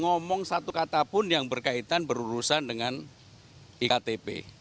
ngomong satu kata pun yang berkaitan berurusan dengan iktp